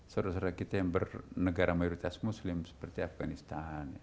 seorang seorang kita yang bernegara mayoritas muslim seperti afghanistan